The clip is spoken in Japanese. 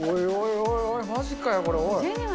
おいおい、まじかよ、これ、おい。